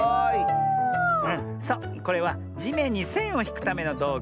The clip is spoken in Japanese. そうこれはじめんにせんをひくためのどうぐ。